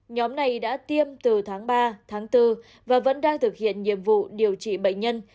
nhóm này đã tiêm từ tháng ba tháng bốn và vẫn đang thực hiện nhiệm vụ điều trị bệnh nhân